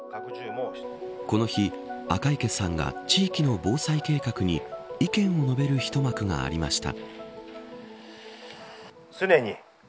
この日、赤池さんが地域の防災計画に意見を述べる一幕がありました。